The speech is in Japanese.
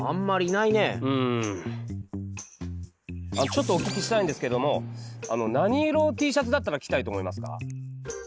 ちょっとお聞きしたいんですけども何色のＴシャツだったら着たいと思いますか？